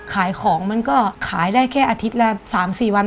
ขายของมันก็ขายได้แค่อาทิตย์ละ๓๔วัน